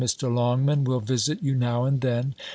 Mr. Longman will visit you now and then.